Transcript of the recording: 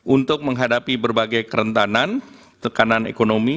untuk menghadapi berbagai kerentanan tekanan ekonomi